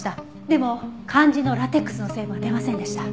でも肝心のラテックスの成分は出ませんでした。